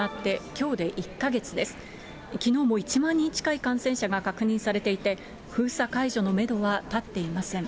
きのうも１万人近い感染者が確認されていて、封鎖解除のメドはたっていません。